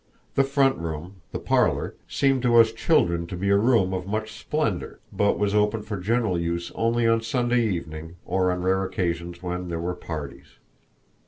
The front room, the parlor, seemed to us children to be a room of much splendor, but was open for general use only on Sunday evening or on rare occasions when there were parties.